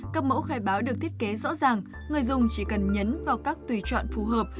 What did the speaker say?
các mẫu khai báo được thiết kế rõ ràng người dùng chỉ cần nhấn vào các tùy chọn phù hợp